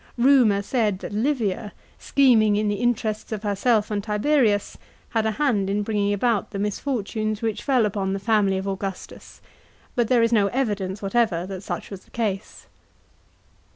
Rumour said that Livia, scheming in the interests of herself and Tiberius, had a hand in bringing about the misfortunes which fell upon the family of Augustas; but there is no evidence whatever that such was the case.